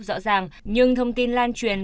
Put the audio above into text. rõ ràng nhưng thông tin lan truyền